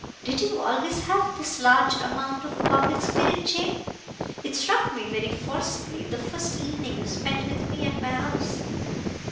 "Did you always have this large amount of public spirit, Jane? It struck me very forcibly the first evening you spent with me at my house."